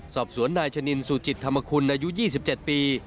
สอบสวนนายชะนินสุจิตธรรมคุณอายุ๒๗ปี